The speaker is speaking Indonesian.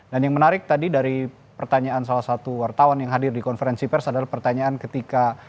dan yang menarik tadi dari pertanyaan salah satu wartawan yang hadir di konferensi pers adalah pertanyaan ketika